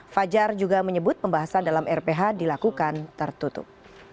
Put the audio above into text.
fajar juga menyebut pembahasan dalam rph dilakukan tertutup